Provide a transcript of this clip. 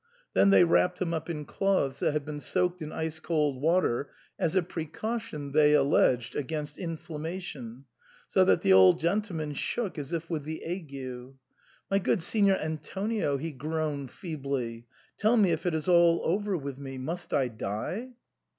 Then they wrapped him up in cloths that had been soaked in ice cold water, as a precaution, they alleged, against inflammation, so that the old gentleman shook as if with the ague. " My good Signor Antonio," he groaned feebly, " tell me if it is all over with me. Must I die